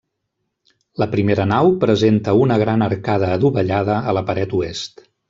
La primera nau presenta una gran arcada adovellada a la paret oest.